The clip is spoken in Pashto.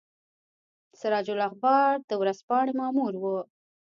سراج الاخبار د ورځپاڼې مامور وو.